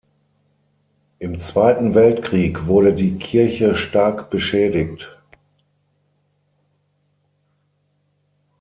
Im Zweiten Weltkrieg wurde die Kirche stark beschädigt.